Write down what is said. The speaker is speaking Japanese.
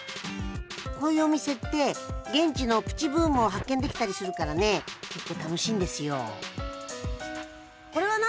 こういうお店って現地のプチブームを発見できたりするからね結構楽しいんですよこれは何？